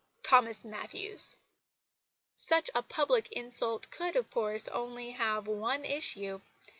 THOMAS MATTHEWS." Such a public insult could, of course, only have one issue.